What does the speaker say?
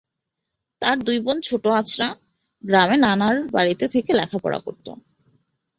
তাই দুই বোন ছোট আঁচড়া গ্রামে নানার বাড়িতে থেকে লেখাপড়া করত।